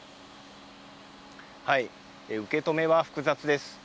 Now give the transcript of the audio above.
受け止めは複雑です。